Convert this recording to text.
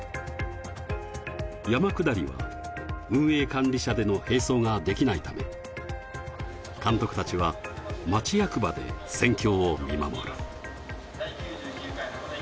山下りは運営管理車での並走ができないため、監督たちは町役場で戦況を見守る。